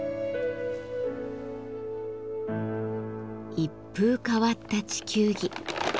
一風変わった地球儀。